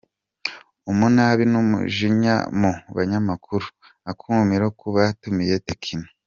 Umunabi n’umujinya mu banyamakuru, akumiro ku batumiye Tekno.